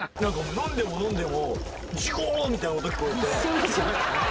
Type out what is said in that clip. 飲んでも飲んでもシュコーみたいな音聞こえて。